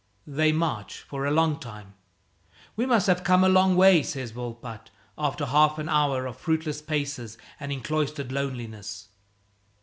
They march for a long time. "We must have come a long way," says Volpatte, after half an hour of fruitless paces and encloistered loneliness.